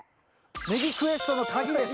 ネギクエストの鍵です。